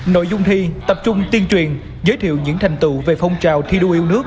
nội dung thi tập trung tuyên truyền giới thiệu những thành tựu về phong trào thi đua yêu nước